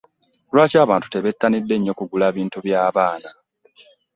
Lwaki abantu tebetanide nnyo kugula bintu by'abaana?